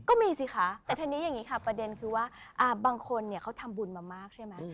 ก็มีสิค่ะแต่ทีนี้ประเด็นคือว่าบางคนเขาทำบุญมามากใช่ไหม